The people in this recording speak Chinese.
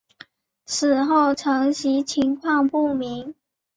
此后承袭情况不明。